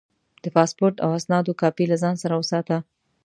د پاسپورټ او اسنادو کاپي له ځان سره وساته.